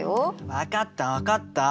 分かった分かった。